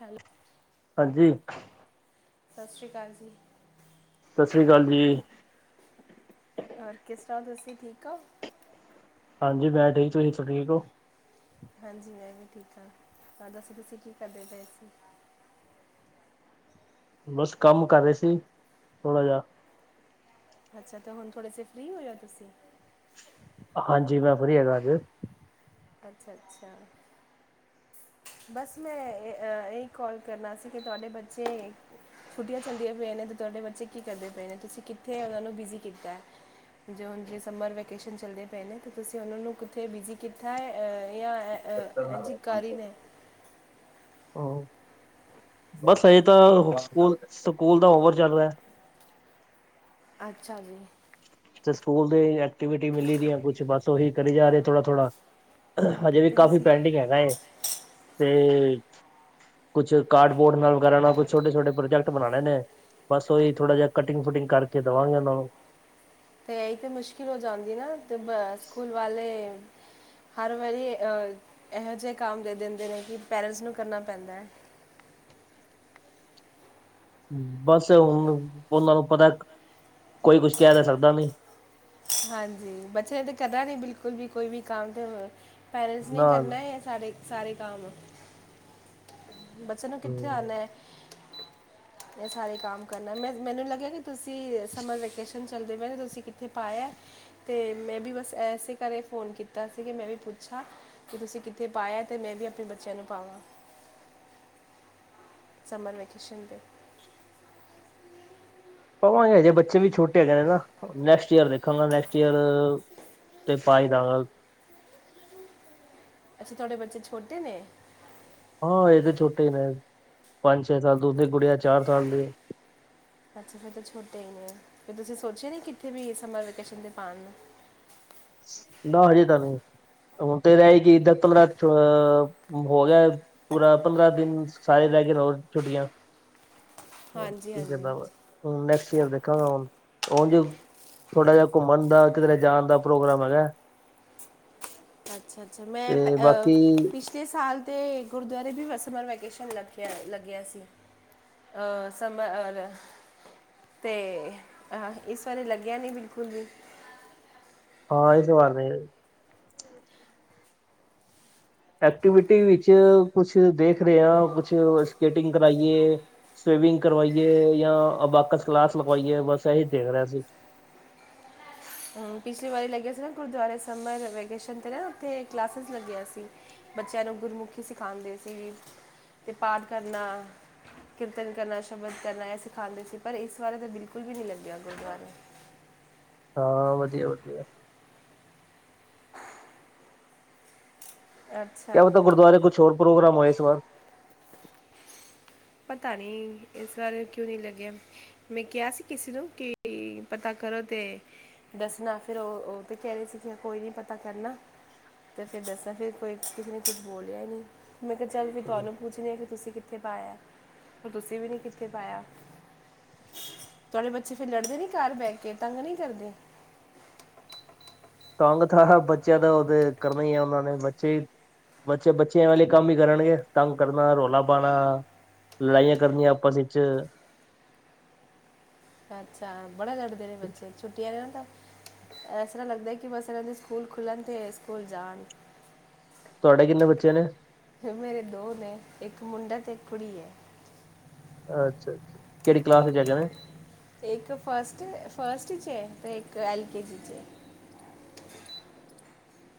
Hello, ਹਾਂਜੀ, ਸਤਿ ਸ਼੍ਰੀ ਅਕਾਲ ਜੀ। ਸਤਿ ਸ਼੍ਰੀ ਅਕਾਲ ਜੀ। ਹੋਰ ਕਿਸ ਤਰਾਂ ਤੁਸੀਂ ਠੀਕ ਹੋ? ਹਾਂਜੀ ਮੈਂ ਠੀਕ ਤੁਸੀਂ ਠੀਕ ਹੋ? ਹਾਂਜੀ, ਮੈਂ ਵੀ ਠੀਕ ਆਂ ਹੋਰ ਦੱਸੋ ਤੁਸੀਂ ਕੀ ਕਰਦੇ ਪਏ ਸੀ? ਬਸ ਕੰਮ ਕਰ ਰਹੇ ਸੀ ਥੋੜਾ ਜਾ। ਅੱਛਾ ਤੇ ਹੁਣ ਥੋੜ੍ਹੇ ਜੇ ਫਰੀ ਹੋਏ ਹੋ ਤੁਸੀਂ? ਹਾਂਜੀ ਮੈਂ ਫਰੀ ਹੈਗਾ ਅੱਜ। ਅੱਛਾ-ਅੱਛਾ। ਬਸ ਮੈਂ ਇਹੀ ਕਾਲ ਕਰਨਾ ਸੀ ਕਿ ਤੁਹਾਡੇ ਬੱਚੇ ਛੁੱਟੀਆਂ ਚੱਲਦੀਆਂ ਪਈਆਂ ਨੇ ਤੇ ਤੁਹਾਡੇ ਬੱਚੇ ਕੀ ਕਰਦੇ ਪਏ ਨੇ ਤੁਸੀਂ ਕਿੱਥੇ ਉਹਨਾਂ ਨੂੰ ਬਿਜ਼ੀ ਕੀਤਾ ਹੈ? ਜੇ ਹੁਨ ਸਮਰ ਵੈਕੇਸ਼ਨ ਚੱਲਦੇ ਪਏ ਨੇ ਤਾਂ ਤੁਸੀਂ ਉਹਨਾਂ ਨੂੰ ਕਿੱਥੇ ਬਿਜ਼ੀ ਕਿ [unintelligible] [inaudible] ਬਸ ਹਜੇ ਤਾਂ ਸਕੂਲ ਸਕੂਲ ਦਾ ਹੋਮ ਵਰਕ ਚੱਲ ਰਹਿਯਾ। ਅੱਛਾ ਜੀ। ਤੇ ਸਕੂਲ ਦੀ ਐਕਟੀਵਿਟੀ ਮਿਲੀ ਹੈ, ਕੁਛ ਬਸ ਉਹੀ ਕਰੀ ਜਾ ਰਹੇ ਥੋੜਾ-ਥੋੜਾ, ਹਜੇ ਵੀ ਤੇ ਕਾਫ਼ੀ ਤੁਸੀਂ ਪੈਂਡਿੰਗ ਹੈਗਾ ਤੇ, ਕੁਛ ਕਾਰਡਬੋਰਡ ਨਾਲ ਵਗੈਰਾ ਨਾਲ ਕੁਛ ਛੋਟੇ-ਛੋਟੇ ਪ੍ਰੋਜੈਕਟ ਬਣਾਉਣੇ ਨੇ, ਬਸ ਉਹੀ ਥੋੜਾ ਜਿਹਾ ਕਟਿੰਗ-ਫੂਟਿੰਗ ਕਰਕੇ ਦੇਵਾਂਗੇ ਉਹਨਾਂ ਨੂੰ ਤੇ ਏਹੀ ਤਾਂ ਮੁਸ਼ਕਿਲ ਹੋ ਜਾਂਦੀ ਨਾ ਅਤੇ ਬ ਸਕੂਲ ਵਾਲੇ ਹਰ ਵਾਰੀ ਇਹੋ ਜਿਹਾ ਕੰਮ ਦੇ ਦੇਂਦੇ ਨੇ ਕਿ ਪੇਰੈਂਟਸ ਨੂੰ ਕਰਨਾ ਪੈਂਦਾ ਹੈ। ਬਸ ਹੁਣ ਉਹਨਾਂ ਨੂੰ ਪਤਾ ਕੋਈ ਕੁਛ ਕਹਿ ਤਾਂ ਸਕਦਾ ਨੀ। ਹਾਂਜੀ ਬੱਚਿਆਂ ਨੇ ਤਾਂ ਕਰਨਾ ਨੀ ਬਿਲਕੁਲ ਵੀ ਕੋਈ ਵੀ ਕੰਮ ਤੇ ਪੈਰੈਂਟਸ ਨੇ ਈ ਕਰਨਾ ਨਾ ਹੈ। ਸਾਡੇ ਸਾਰੇ ਕੰਮ ਬੱਚੇ ਨੂੰ ਕਿੱਥੇ ਆਂਦਾ। [inaudible] ਇਹ ਸਾਰੇ ਕੰਮ ਕਰਨਾ ਮੈਂ ਮੈਨੂੰ ਲੱਗਿਆ ਕਿ ਤੁਸੀਂ ਸਮਰ ਵੈਕੇਸ਼ਨ ਚੱਲਦੇ ਪਏ ਤੇ ਤੁਸੀਂ ਕਿੱਥੇ ਪਾਇਆ ਤੇ ਮੈਂ ਵੀ ਬਸ ਇਸੇ ਘਰ ਕੇ ਫੋਨ ਕੀਤਾ ਸੀ ਕਿ ਮੈਂ ਵੀ ਪੁੱਛਾਂ ਕਿ ਤੁਸੀਂ ਕਿੱਥੇ ਪਾਯਾ ਤੇ ਮੈਂ ਵੀ ਆਪਣੇ ਬੱਚਿਆਂ ਨੂੰ ਪਾਵਾਂ। ਸਮਰ ਵੈਕੇਸ਼ਨ ਤੇ। ਪਵਾਂਗੇ ਹਜੇ ਬੱਚੇ ਵੀ ਛੋਟੇ ਹੈਗੇ ਨੇ ਨਾ ਨੈਕਸਟ ਈਅਰ ਦੇਖਾਂਗਾ ਨੈਕਸਟ ਈਅਰ, ਤੇ ਪਾਈ ਦਾ, ਅੱਛਾ ਤੁਹਾਡੇ ਬੱਚੇ ਛੋਟੇ ਨੇ? ਹਾਂ ਇਹਦੇ ਛੋਟੇ ਨੇ ਪੰਜ ਛੇ ਸਾਲ ਦੂਸਰੀ ਕੁੜੀਆਂ ਚਾਰ ਸਾਲ ਦੀ, ਅੱਛਾ ਫਿਰ ਤਾਂ ਛੋਟੇ ਹੀ ਨੇ ਫਿਰ ਤੁਸੀਂ ਸੋਚਿਆ ਨੀ, ਕਿੱਥੇ ਵੀ ਸਮਰ ਵੈਕੇਸ਼ਨ ਤੇ ਜਾਣ ਨੂੰ ਨਾ ਹਜੇ ਤਾਂ ਨਹੀਂ ਹੁਣ ਤੇ ਕਿ ਏਦਾਂ ਪੰਦਰਾਂਹ ਹੋ ਗਿਆ। ਪੂਰਾ ਪੰਦਰਾਂ ਦਿਨ ਸਾਰੇ ਸਾਇਦ ਹੋਰ ਰਹਿ ਗਈਆ ਛੋਟੀਆਂ, ਹਾਂਜੀ, ਹਾਂਜੀ, ਹਾਂਜੀ। ਹ ਨੈਕਸਟ ਈਅਰ ਦੇਖਾਂਗਾ, ਹੁਣ ਉਹ ਜ ਥੋੜਾ ਜਿਹਾ ਘੁੰਮਣ ਦਾ ਕਿਧਰੇ ਜਾਣ ਦਾ। ਪ੍ਰੋਗਰਾਮ ਹੈਗਾ। ਅੱਛਾ-ਅੱਛਾ ਮੈਂ ਤੇ ਬਾਕੀ ਪੇ ਸਾਲ ਤੇ ਗੁਰਦੁਆਰੇ ਵੀ ਸਮਰ ਵੈਕੇਸ਼ਨ ਲੱਗਿਆ, ਲੱਗਿਆ ਸੀ। ਸਮਾਂ ਤੇ ਆਹ ਇਸ ਵਾਰੀ ਲੱਗਿਆ ਨੀ ਬਿਲਕੁਲ ਵੀ, ਹਾਂ ਇਹ ਤੇ ਵੱਲ ਨਹੀਂ, ਐਕਟੀਵਿਟੀ ਵਿੱਚ ਕੁਛ ਦੇਖ ਰਹੇ ਹਾਂ ਕੁਛ ਸਕੇਟਿੰਗ ਕਰਾਈਏ। ਸਵੀਮਿੰਗ ਕਰਵਾਈਏ ਜਾਂ ਅ ਬਾਕਸ ਕਲਾਸ ਲਗਵਾਈਏ ਬਸ ਇਹੀ ਦੇਖ ਰਹੇ ਸੀਂ। ਪਿਛਲੀ ਵਾਰੀ ਲੱਗਿਆ ਸੀ, ਨਾ ਗੁਰਦੁਆਰੇ ਸਮਰ ਵੈਕੇਸ਼ਨ 'ਤੇ ਨਾ ਉੱਥੇ ਕਲਾਸਿਸ ਲੱਗਿਆ ਸੀ। ਬੱਚਿਆਂ ਨੂੰ ਗੁਰਮੁਖੀ ਸਿਖਾਉਂਦੇ ਸੀ, ਤੇ ਪਾਠ ਕਰਨਾ। ਕੀਰਤਨ ਕਰਨਾ ਸ਼ਬਦ ਕਰਨਾ ਇਹ ਸਿਖਾਉਂਦੇ ਸੀ, ਪਰ ਇਸ ਬਾਰੇ ਤਾਂ ਬਿਲਕੁਲ ਵੀ ਨਹੀਂ ਲੱਗਿਆ ਗੁਰਦੁਆਰੇ ਹਾਂ ਵਧੀਆ ਵਧੀਆ, ਕਿਆ ਅੱਛਾ ਪਤਾ ਗੁਰਦੁਆਰੇ ਕੁਛ ਹੋਰ ਪ੍ਰੋਗਰਾਮ ਹੋਏ ਇਸ ਵਾਰ ਪਤਾ ਨੀ ਇਸ ਬਾਰੇ ਕਿਉ ਨੀ ਲੱਗਿਆ। ਮੈਂ ਕਿਹਾ ਸੀ ਕਿਸੇ ਨੂੰ ਕਿ ਪਤਾ ਕਰੋ ਤੇ, ਦੱਸਣਾ ਫਿਰ ਉਹ ਤੇ ਕਹਦੇ ਸਿਖਿਆ, ਕੋਈ ਨਹੀਂ ਪਤਾ ਕਰਨਾ। ਅਤੇ ਫਿਰ ਦੱਸਾਂ ਫਿਰ ਕੋਈ ਕਿਸੇ ਨੇ ਕੁਛ ਬੋਲਿਆ ਹੀ ਨਹੀਂ, ਮੈਂ ਕਿਹਾ ਚੱਲ ਵੀ ਤੁਹਾਨੂੰ ਪੁੱਛਣੀ ਹਾਂ, ਕਿ ਤੁਸੀਂ ਕਿੱਥੇ ਪਾਇਆ, ਪਰ ਤੁਸੀਂ ਵੀ ਨਹੀਂ ਕਿੱਥੇ ਪਾਇਆ। ਤੁਹਾਡੇ ਬੱਚੇ ਫੇਰ ਲੜਦੇ ਨੀ ਘਰ ਬਹਿ ਕੇ ਤੰਗ ਨਹੀਂ ਕਰਦੇ। ਕਾਂਗ ਬੱਚਿਆਂ ਦਾ ਉਹਦੇ ਕਰਨਾ ਹੀ ਹੈ, ਉਹਨਾਂ ਨੇ ਬੱਚੇ ਬੱਚੇ ਬੱਚਿਆਂ ਵਾਲੇ ਕੰਮ ਹੀ ਕਰਨਗੇ, ਤੰਗ ਕਰਨਾ ਰੌਲਾ ਪਾਉਣਾ। ਲੜਾਈਆਂ ਕਰਨੀਆਂ ਆਪਾਂ ਵਿੱਚ, ਅੱਛ, ਅੱਛਾ ਬੜਾ ਲੜਦੇ ਨੇ ਬੱਚੇ ਛੁੱਟ ਵਾਲੇ ਨੂੰ ਤਾਂ। ਇਸ ਤਰ੍ਹਾਂ ਲੱਗਦਾ ਕਿ ਬਸ ਇਹਨਾਂ ਦੇ ਸਕੂਲ ਖੁੱਲਣ ਤੇ ਸਕੂਲ ਜਾਣ ਤੁਹਾਡੇ ਕਿੰਨੇ ਬੱਚੇ ਨੇ? ਮੇਰੇ ਦੋ ਨੇ ਇੱਕ ਮੁੰਡਾ ਅਤੇ ਇੱਕ ਕੁੜੀ ਹੈ। ਅੱਛਾ, ਅੱਛਾ ਕਿਹੜੀ ਕਲਾਸ ਚ' ਹੈਗੇ ਨੇ ਤੇ ਇੱਕ ਫਸਟ ਫਸਟ 'ਚ ਏ ਤੇ ਇੱਕ ਐਲ ਕੇ ਜੀ ਚ'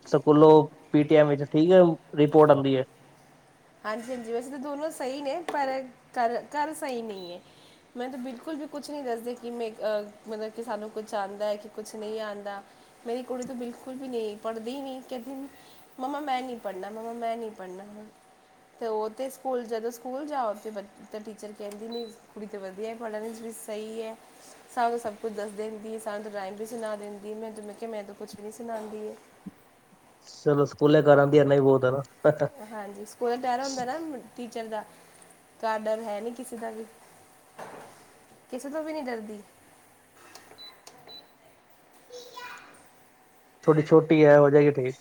ਸਕੂਲੋਂ ਪੀਟੀਐਮ ਵਿੱਚ ਠੀਕ ਰਿਪੋਰਟ ਆਉਂਦੀ ਹੈ। ਹਾਂਜੀ, ਹਾਂਜੀ ਵੈਸੇ ਤਾਂ ਦੋਨੋ ਸਹੀ ਨੇ ਪਰ ਘਰ, ਘਰ ਸਹੀ ਨਹੀਂ ਹੈ। ਮੈ ਤਾਂ ਬਿਲਕੁਲ ਵੀ ਕੁਛ ਨਹੀਂ ਦੱਸਦੀ ਕਿ ਮੈਂ ਮਤਲਬ ਕਿ ਸਾਨੂੰ ਕੁਛ ਆਉਂਦਾ ਕਿ ਕੁਛ ਨਹੀਂ ਆਉਂਦਾ ਮੇਰੀ ਕੁੜੀ ਤ ਬਿਲਕੁਲ ਵੀ ਨਹੀਂ ਪੜ੍ਹਦੀ ਨਹੀਂ ਕਹਿੰਦੀ ਮੰਮਾ ਮੈਂ ਨਹੀਂ ਪੜ੍ਹਨਾ, ਮੰਮਾ ਮੈਂ ਨਹੀਂ ਪੜ੍ਹਨਾ ਤੇ ਉਹ ਤੇ ਸਕੂਲ ਜਦੋਂ ਸਕੂਲ ਜਾਓ ਤੇ ਬ ਤਾਂ ਟੀਚਰ ਕਹਿੰਦੀ ਨਹੀਂ, ਕੁੜੀ ਤਾਂ ਵਧੀਆ ਪੜ੍ਹਨ ਵਿਚ ਵੀ ਸਹੀ ਹੈ। ਸਾਨੂੰ ਸਭ ਕੁਝ ਦੱਸ ਦਿੰਦੀ, ਸਾਨੂੰ ਰਾਇਮ ਵੀ ਸੁਣਾ ਦਿੰਦੀ ਮੈਂ ਜ ਮੈਂ ਕਿਹਾ ਮੈਂ ਕੁੱਛ ਨੀ ਸੁਣਾਉਂਦੀ। ਚਲੋ ਸਕੂਲੇ ਕਰਾਂ ਦੀ ਇਨਾ ਹੀ ਬਹੁਤ ਹੈ ਨਾ, ਹਾਂਜੀ, ਸਕੂਲ ਡਹਿਰਾ ਹੁੰਦਾ ਨਾ। ਟੀਚਰ ਦਾ ਕਾਰਡਰ ਹੈ, ਨੀ ਕਿਸੇ ਦਾ ਵੀ, ਕਿਸੇ ਤੋਂ ਵੀ ਨਹੀਂ ਡਰਦੀ, ਥੋਡੀ ਛੋਟੀ ਹੈ ਹੋ ਜਾਏਗੀ ਠੀਕ,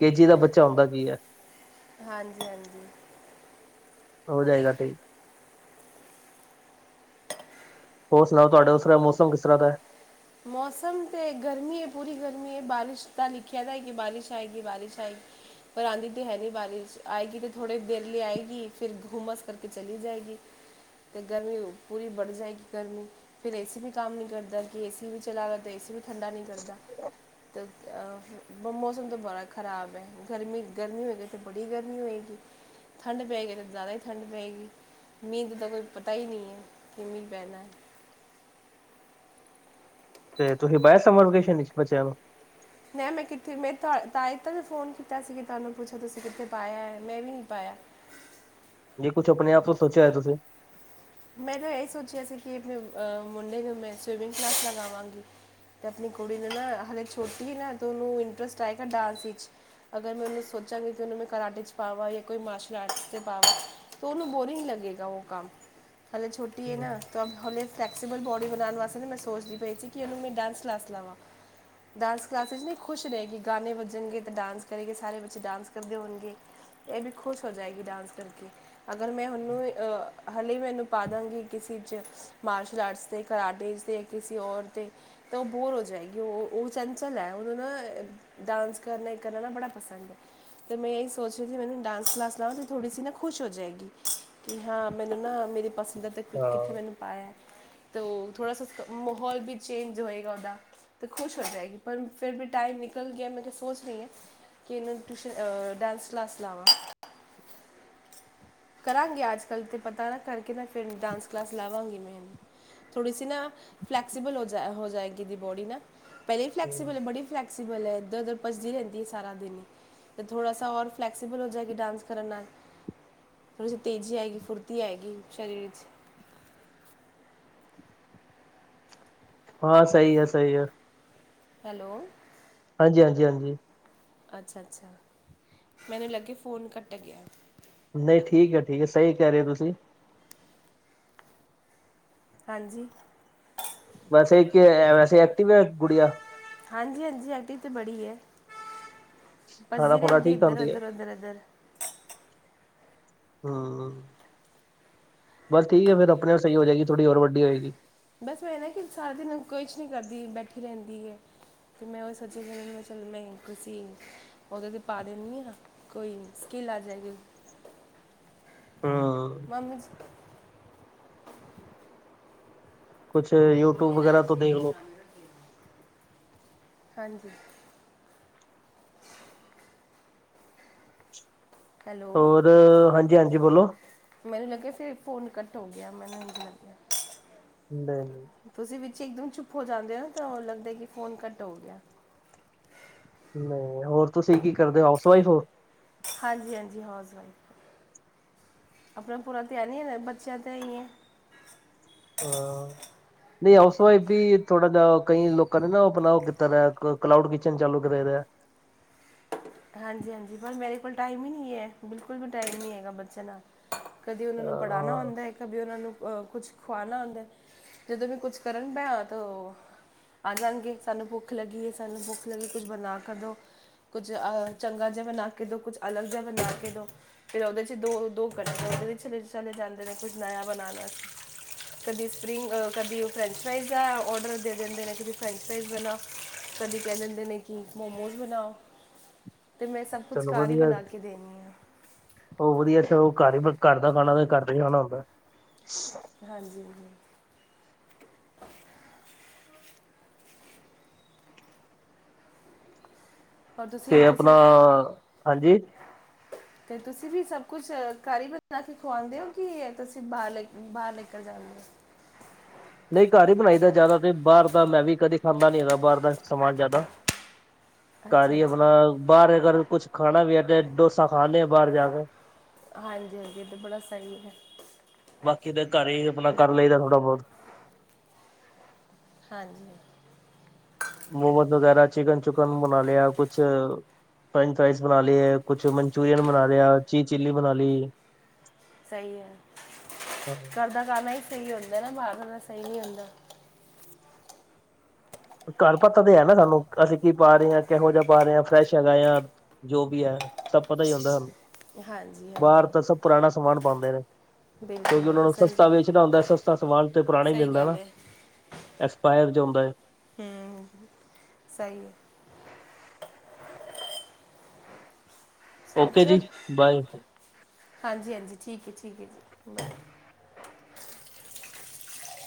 ਕੇ ਜੀ ਦਾ ਬੱਚਾ ਹੁੰਦਾ ਕੀ ਹੈ। ਹਾਂਜੀ, ਹਾਂਜੀ ਹੋ ਜਾਏਗਾ ਠੀਕ ਹੋਰ ਸੁਣਾਓ ਤੁਹਾਡਾ ਉਸ ਤਰ੍ਹਾਂ ਮੌਸਮ ਕਿਸ ਤਰ੍ਹਾਂ ਦਾ ਮੌਸਮ ਤੇ ਗਰਮੀ ਹੈ ਪੂਰੀ ਗਰਮੀ ਹੈ ਬਾਰਿਸ਼ ਦਾ ਲਿਖਿਆ ਤਾਂ ਹੈ ਕਿ ਬਾਰਿਸ਼ ਆਏਗੀ ਬਾਰਿਸ਼ ਆਏਗੀ ਪਰ ਆਉਂਦੀ ਤੇ ਹੈ ਨਹੀਂ ਬਾਰਿਸ਼ ਆਏਗੀ ਤੇ ਥੋੜੀ ਦੇਰ ਲਈ ਆਏਗੀ। ਫਿਰ ਘੁਮਸ ਕਰਕੇ ਚਲੀ ਜਾਏਗੀ। ਤੇ ਗਰਮੀ ਪੂਰੀ ਬੜ ਜਾਏਗੀ ਗਰਮੀ ਫਿਰ ਏਸੀ ਵੀ ਕੰਮ ਨ ਕਰਦਾ ਕਿ ਏ ਟੀ ਵੀ ਚਲਾ ਲੋ ਤੇ ਏ ਸੀ ਵੀ ਠੰਡਾ ਨਹੀਂ ਕਰਦਾ ਮੌਸਮ ਤੋਂ ਬੜਾ ਖ਼ਰਾਬ ਹੈ। ਗਰਮੀ ਗਰਮੀ ਵ ਤੇ ਬੜੀ ਗਰਮੀ ਹੋਏਗੀ ਠੰਡ ਪੈਗੀ ਤੇ ਜ਼ਿਆਦਾ ਹੀ ਠੰਡ ਪਏਗੀ ਮੀਂਹ ਦਾ ਤਾਂ ਕੋਈ ਪਤਾ ਹੀ ਨਹੀਂ ਹੈ ਕਿ ਮੀਹ ਪੈਣਾ ਤੇ ਤੁਸੀਂ ਪਾਇਆ ਸਮਰ ਵੋਕੇਸ਼ਨ ਚ' ਬਚਿਆ ਨੂੰ ਮੈਂ ਮੈਂ ਕਿੱਥੇ ਮੈਂ ਤਾ ਹੀ ਤਾ ਨੇ ਫੋਨ ਕੀਤਾ ਸੀ ਕਿ ਤੁਹਾਨੂੰ ਪੁੱਛੋ ਤੁਸੀਂ ਕਿੱਥੇ ਪਾਇਆ ਹੈ ਮੈਂ ਵੀ ਨਹੀਂ ਪਾਇਆ ਜੇ ਕੁਛ ਆਪਣੇ ਆਪ ਤੋਂ ਸੋਚਿਆ ਹੈ ਤੁਸੀਂ ਮੈਂ ਤਾਂ ਇਹ ਸੋਚਿਆ ਸੀ ਕਿ ਆਪਣੇ ਮੁੰਡੇ ਨੂੰ ਮੈਂ ਸਵੀਮਿੰਗ ਕਲਾਸ ਲਗਾਵਾਂਗੀ। ਤੇ ਆਪਣੀ ਕੁੜੀ ਨੂੰ ਨਾ ਹਾਲੇ ਛੋਟੀ ਹੇ ਨਾ ਤੇ ਉਹਨੂੰ ਇੰਟਰਸਟ ਆਏਗਾ ਡਾਂਸ ਇਚ ਅਗਰ ਮੈਂ ਉਹਨੂੰ ਸੋਚਾਂਗੀ ਕਿ ਉਹਨੂੰ ਕਰਾਟੇ ' ਪਾਵਾਂ ਜਾਂ ਕੋਈ ਮਾਰਸ਼ਲ ਆਰਟਸ 'ਚ ਪਾਵਾਂ ਉਹਨੂੰ ਬੋਰਿੰਗ ਲੱਗੇਗਾ ਉਹ ਕੰਮ ਹਲੇੇ ਛੋਟੀ ਹੈ ਨਾ ਹਲੇ ਫਲੈਕਸੀਬਲ ਬੋਡੀ ਬਣਾਉਣ ਵਾਸਤੇ ਤਾਂ ਮੈਂ ਸੋਚਦੀ ਪਈ ਸੀ ਕਿ ਉਹਨੂੰ ਮੈਂ ਡਾਂਸ ਕਲਾਸ ਲਾਵਾਂ ਡਾਂਸ ਕਲਾਸਿਸ 'ਚ ਨਹੀਂ ਖੁਸ਼ ਰਹੇਗੀ ਗਾਣੇ ਵੱਜਣਗੇ ਤਾਂ ਡਾਂਸ ਕਰੇਗੇ ਸਾਰੇ ਬੱਚੇ ਡਾਂਸ ਕਰਦੇ ਹੋਣਗੇ। ਇਹ ਵੀ ਖੁਸ਼ ਹੋ ਜਾਏਗੀ ਡਾਂਸ ਕਰਕੇ ਅਗਰ ਮੈਂ ਹਨੂੰ ਅ ਹਾਲੇ ਈ ਮੈ ਇਹਨੂੰ ਪਾ ਦਾਂਗੀ ਕਿਸੇ ਚ' ਮਾਰਸ਼ਲ ਆਰਟਸ ਦੇ ਕਰਟੇ ਤੇ ਕਿਸੇ ਔਰ ਤੇ ਤਾਂ ਉਹ ਬੋਰ ਹੋ ਜਾਏਗੀ ਉਹ ਉਹ ਚੰਚਲ ਹੈ ਉਹਨੂੰ ਨਾ ਡਾਂਸ ਕਰਨਾ ਕਰਨਾ ਨਾ ਬੜਾ ਪਸੰਦ ਹੈ। ਤੇ ਮੈਂ ਇਹੀ ਸੋਚ ਰਹੀ ਸੀ ਮੈਨੂੰ ਡਾਂਸ ਕਲਾਸ ਲਾਵਾਂ ਤਾਂ ਥੋੜ੍ਹੀ ਸੀ ਨਾ ਖੁਸ਼ ਹੋ ਜਾਏਗੀ। ਕਿ ਹਾਂ ਮੈਨੂੰ ਨਾ ਮੇਰੀ ਪਸੰਦਾ ਤਾਂ ਕਿੱਥੇ ਹਾਂ ਮੈਨੂੰ ਪਾਇਆ ਤ ਉਹ ਥੋੜ੍ਹਾ ਸਾ ਉਸਕਾ ਮਾਹੌਲ ਵੀ ਚੇਂਜ ਹੋਏਗਾ ਉਹਦਾ ਤਾਂ ਖੁਸ਼ ਹੋ ਜਾਏਗੀ ਪਰ ਫਿਰ ਵੀ ਟਾਈਮ ਨਿਕਲ ਗਿਆ ਮੈਂ ਕਿਹਾ ਸੋਚ ਰਹੀ ਹਾਂ ਕਿ ਟਿਊਸ਼ਨ ਅ ਡਾਂਸ ਕਲਾਸ ਲਾਵਾਂ ਕਰਾਂਗੇ ਅੱਜ ਕੱਲ੍ਹ ਅਤੇ ਪਤਾ ਨਾ ਕਰਕੇ ਮੈਂ ਫਿਰ ਡਾਂਸ ਕਲਾਸ ਲਾਵਾਂਗੀ ਮੈਂ ਇਹਨੂੰ ਥੋੜੀ ਸੀ ਨਾ ਫਲੈਕਸੀਬਲ ਹੋ ਜਾ ਹੋ ਜਾਏਗੀ ਇਹਦੀ ਬੋਡੀ ਨਾ ਪਹਿਲੇ ਫਲੈਕਸਸੀਬਲ ਹੈ ਬੜੀ ਫਲੈਕਸਿਬਲ ਹੈ। ਇੱਧਰ ਉੱਧਰ ਭੱਜਦੀ ਰਹਿੰਦੀ ਏ ਸਾਰਾ ਦਿਨ ਅਤੇ ਥੋੜ੍ਹਾ ਰ ਫਲੈਕਸੀਬਲ ਹੋ ਜਾਏ ਕਿ ਡਾਂਸ ਕਰ ਨਾਲ ਥੋੜ੍ਹੀ ਜਿਹੀ ਤੇਜ਼ੀ ਆਏਗੀ, ਫੁਰਤੀ ਆਏਗੀ। ਸਰੀਰ ਵਿੱਚ ਹਾਂ। ਸਹੀ ਹੈ, ਸਹੀ ਹੈ। ਹੈਲੋ, ਹਾਂਜੀ- ਹਾਂਜੀ- ਹਾਂਜੀ। ਅੱਛਾ- ਅੱਛਾ, ਮੈਨੂੰ ਲੱਗੇ ਫੋਨ ਕੱਟ ਗਿਆ। ਨਹੀਂ ਠੀਕ ਹੈ, ਠੀਕ ਹੈ, ਸਹੀ ਕਹਿ ਰਹੇ ਹੋ ਤੁਸੀਂ। ਹਾਂਜੀ। ਵੈਸੇ ਕਿ ਹੋਯਾ, ਵੈਸੇ ਐਕਟੀ ਹੈ ਗੁੜਿਆ। ਹਾਂਜੀ- ਹਾਂਜੀ ਐਕਟਿਵ ਤਾਂ ਬੜੀ ਹੈ। ਖਾਣਾ ਭਜਦੀ ਰਹਿੰਦੀ ਇੱਧਰ- ਉੱਧਰ, ਉੱਧਰ- ਇੱਧਰ ਹਾਂ। ਬਸ ਠੀਕ ਹੈ ਫਿਰ ਆਪ ਸਹੀ ਹੋ ਜਾਏਗੀ ਥੋੜੀ ਹੋਰ ਵੱਡੀ ਹੋਏਗੀ। ਬਸ ਮੈਂ ਨਾ ਕਿ ਸਾਰਾ ਦਿਨ ਕੁਛ ਨਹੀਂ ਕਰਦੀ ਬੈਠੀ ਰਹਿੰਦੀ ਹੈ। ਫਿਰ ਮੈਂ ਉਹ ਸੋਚਿਆ ਮੈਂ ਚਲ ਮੈਂ ਕੁਸੀ ਉਹਦੇ ਤੇ ਪਾ ਦੇਨੀ ਆ ਕੋਈ ਸਕਿੱਲ ਆ ਜਾਏਗੀ। ਹੁੰ ਮੰਮੀ ਜੀ ਕੁਛ ਯੂਟਿਊਬ ਵਗੈਰਾ ਤੋਂ ਦੇਖ ਲੋ ਹਾਂਜੀ ਹੋਲੋ, ਹੋਰ, ਹਾਂਜੀ -ਹਾਂਜੀ ਬੋਲੋ, ਮੈਨੂੰ ਲੱਗਿਆ ਫਿਰ ਫੋਨ ਕੱਟ ਹੋ ਗਿਆ, ਮੈਨੂੰ ਐਜ ਲੱਗਿਆ ਦੇਣ ਤੁਸੀਂ ਵਿੱਚ ਇੱਕਦਮ ਚੁੱਪ ਹੋ ਜਾਂਦੇ ਹੋ, ਤਾਂ ਉਹ ਲੱਗਦਾ ਕਿ ਫੋਨ ਘੱਟ ਹੋ ਗਿਆ। ਹਮ ਹੋਰ ਤੁਸੀਂ ਕੀ ਕਰਦੇ ਹੋ, ਹਾਊਸ ਵਾਈਫ ਹੋ। ਹਾਂਜੀ -ਹਾਂਜੀ ਹਾਉਸ ਵਾਈਫ। ਆਪਣਾ ਪੂਰਾ ਧਿਆਨ ਨਹੀਂ ਹੈ, ਬੱਚਿਆਂ ਤੇ ਈ ਹੈ। ਹਾਂ। ਨਹੀਂ, ਹਾਊਸ ਵਾਈਫ ਵੀ ਥੋੜਾ ਜਿਹਾ ਕਈ ਲੋਕਾਂ ਨੇ ਨਾ ਆਪਣਾ ਉਹ ਕੀਤਾ ਦਾ ਐ, ਕਲਾਊਡ ਕਿਚਨ ਚਾਲੂ ਕੀਤਾ ਦੇਯਾ ਐ। ਹਾਂਜੀ- ਹਾਂਜੀ ਪਰ ਮੇਰੇ ਕੋਲ ਟਾਈਮ ਹੀ ਨਹੀਂ ਹੈ। ਬਿਲਕੁਲ ਵੀ ਟਾਈਮ ਨਹੀਂ ਹੈਗਾ ਬੱਚਿਆਂ ਨਾਲ ਕਦੀ ਉਹਨਾਂ ਨੂੰ ਪੜ੍ਹਾਉਣਾ ਅ ਹੁੰਦਾ ਹੈ। ਕਦੀ ਉਹਨਾਂ ਨੂੰ ਅਹ ਕੁੱਛ ਖਵਾਣਾ ਹੁੰਦਾ। ਜਦੋਂ ਵੀ ਕੁਛ ਕਰਨ ਪਿਆ ਤਾਂ ਆ ਜਾਣਗੇ, ਸਾਨੂੰ ਭੁੱਖ ਲੱਗੀਏ, ਸਾਨੂੰ ਭੁੱਖ ਲੱਗੀ, ਕੁਝ ਬਣਾ ਕਰ ਦਿਉ। ਕੁਝ ਅਹ ਚੰਗਾ ਜਿਹਾ ਬਣਾ ਕੇ ਦੋ, ਕੁਝ ਅਲੱਗ ਜਿਹਾ ਬਣਾ ਕੇ ਦਉ। ਫਿਰ ਉਹਦੇ 'ਚ ਦੋ- ਦੋ ਗੱਠੇ, ਔਦੇ ਚਲੇ ਜਾਂਦੇ ਨੇ, ਕੁਛ ਨਆ ਬਣਾਉਣਾ ਵਾਸ ਕਦੀ ਸਪਰਿੰਗ, ਕਦੀ ਫਰੈਂਚ ਫਰਾਈਜ਼ ਦਾ ਔਡਰ ਦੇ ਦਿੰਦੇ ਨੇ, ਕਦੀ ਫਰੈਂਚ ਫਰਾਈਜ਼ ਵਾਲ ਕਦੇ ਕਹਿ ਦਿੰਦੇ ਨੇ, ਕਿ ਮੋਮੋਸ ਬਣਾਓ। ਤੇ ਮੈਂ ਸਭ ਕੁਛ ਚਲੋ ਘਰ ਹੀ ਵਧੀਆ ਬਣਾ ਕੇ ਦੇਣੀ ਆ। ਉਹ ਵਧੀਆ, ਇੱ ਉਹ ਘਰ ਹੀ ਘਰ ਦਾ ਖਾਣਾ, ਤੇ ਘਰ ਦਾ ਹੀ ਖਾਣਾ ਹੁੰਦਾ। ਹਾਂਜੀ- ਹਾਂਜੀ। ਔਰ ਤੁਸੀਂ ਤੇ ਆਪਣਾ, ਤੁਸੀਂ ਹਾਂਜੀ। ਤੇ ਤੁਸੀਂ ਵੀ ਸਭ ਕੁਛ ਘਰ ਹੀ ਬਣਾ ਕੇ ਖਵਾਉਂਦੇ ਹੋ, ਕਿ ਤੁਸੀਂ ਬਾਹਰ ਲੈ, ਬਾਹਰ ਲੈ ਕੇ ਜਾਂਦੇ ਹੋ। ਨਹੀਂ ਘਰ ਹੀ ਬਣਾਈ ਦਾ ਜ਼ਿਆਦਾ, ਤੇ ਬਾਹਰ ਦਾ ਮੈਂ ਵੀ ਕਦੇ ਖਾਂਦਾ ਨੀ ਹੈਗਾ, ਬਾਹਰ ਦਾ ਸਮਾਨ ਜ਼ਿਆਦਾ [unintelligible] ਘਰ ਅੱਛਾ ਹੀ ਏ ਆਪਣਾ, ਅੱਛਾ ਬਾਹਰ ਅਗਰ ਕੁੱਛ ਖਾਣਾ ਵੀ ਹੈ, ਤੇ ਡੋਸਾ ਖਾਂ ਆਨੇ ਆ, ਬਾਹਰ ਜਾ ਕੇ। ਹਾਂਜੀ- ਹਾਂਜੀ ਇਹ ਤਾਂ ਬੜਾ ਸਹੀ ਹੈ। ਬਾਕੀ ਤਾਂ ਘਰ ਹੀ ਆਪਣਾ ਕਰ ਲਈਦਾ ਥੋੜ੍ਹਾ- ਬਹੁਤ। ਹਾਂਜੀ। ਮੋਮੋਜ਼ ਵਗੈਰਾ ਚਿਕਨ -ਚੁਕਨ ਬਣਾ ਲਿਆ, ਕੁਛ ਫਰੈਂਚ ਫਰਾਾਈਜ਼ ਬਣਾ ਲਏ। ਕੁਛ ਮੰਨਚੂਰਅਨ ਬਣਾ ਲਿਆ। ਚੀ- ਚੀਲੀ ਬਣਾ ਲਈ। ਸਹੀ ਹੈ, ਘਰ ਦਾ ਖਾਣਾ ਹੀ ਸਹੀ ਹੁੰਦਾ ਨਾ, ਬਾਹਰ ਦਾ ਖਾਣਾ, ਸਹੀ ਨਹੀਂ ਹੁੰਦਾ। ਘਰ ਪੱਤਾ ਤੇ ਹੈ ਨਾ ਸਾਨੂੰ, ਅਸੀਂ ਕੀ ਪਾ ਰਹੇ ਹਾਂ, ਕਿਹੋ ਜਿਹਾ ਪਾ ਰਹੇ ਹਾਂ, ਫਰੈਸ਼ ਹੈਗਾ ਆ ਜੋ ਵੀ ਹੈ, ਸਭ ਪਤਾ ਹੀ ਹੁੰਦਾ ਸਾਨੂੰ, ਹਾਂਜੀ ਬਾਹਰ ਤਾਂ ਹਾਂਜੀ ਸਭ ਪੁਰਾਣਾ ਸਮਾਨ ਪਾਉਂਦੇ ਨੇ। ਬਿਲਕੁਲ ਕਿਉਂਕਿ ਉਹਨਾ ਬਿਲਕੁਲ ਨੂੰ ਸਹੀ ਸਸਤਾ ਗੱਲ ਹੈ ਵੇਚਣਾ ਹੁੰਦਾ, ਸਸਤਾ ਸਮਾਨ ਤੇ ਪੁਰਾਣਾ ਹੀ ਸਹੀ ਮਿਲਦਾ ਗੱਲ ਹੈਨਾ। ਹੈ ਐਕਸਪਾਇਰ ਜੋ ਰੁੰਦਾ ਹੈ। ਹੂੰ, ਸਈ ਐ। ਓਕੇ ਚਲ ਜੀ ਬਾਏ ਹਾਂਜੀ-ਹਾਂਜੀ, ਠੀਕ ਐ, ਠੀਕ ਐ ਜੀ।